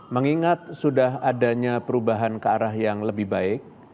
mengingat sudah adanya perubahan ke arah yang lebih baik